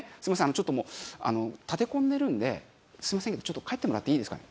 ちょっともうあの立て込んでるんですみませんがちょっと帰ってもらっていいですかね？